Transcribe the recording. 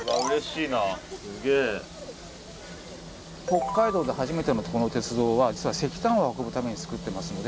北海道で初めてのこの鉄道は実は石炭を運ぶためにつくってますので。